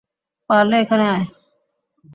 পারলে এখানে আয়!